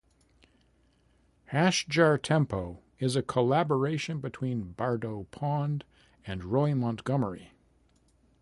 Hash Jar Tempo is a collaboration between Bardo Pond and Roy Montgomery.